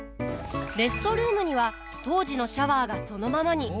レストルームには当時のシャワーがそのままに。